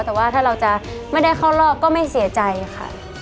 แต่ว่าถ้าเราจะไม่ได้เข้ารอบก็ไม่เสียใจค่ะ